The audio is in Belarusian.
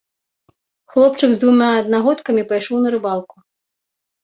Хлопчык з двума аднагодкамі пайшоў на рыбалку.